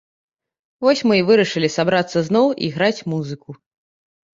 Вось мы і вырашылі сабрацца зноў і граць музыку.